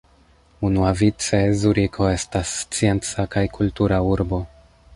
Unuavice Zuriko estas scienca kaj kultura urbo.